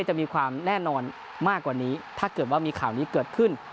จะมีความแน่นอนมากกว่านี้ถ้าเกิดว่ามีข่าวนี้เกิดขึ้น